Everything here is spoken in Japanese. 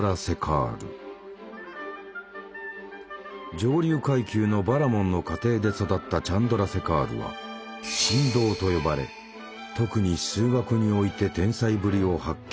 上流階級のバラモンの家庭で育ったチャンドラセカールは「神童」と呼ばれ特に数学において天才ぶりを発揮した。